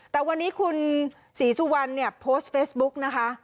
แต่วันนี้คุณศรีสุวรรณเนี่ยโพสต์เฟซบุ๊กนะคะ